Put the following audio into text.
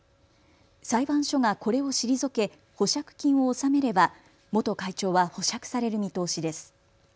裁判所がこれを退け、保釈金を納めれば元会長は保釈される見通しです。